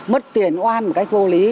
mất tuyển oan một cách vô lý